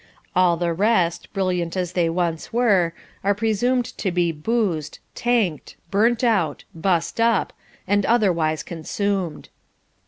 All the rest, brilliant as they once were, are presumed to be "boozed," "tanked," "burnt out," "bust up," and otherwise consumed.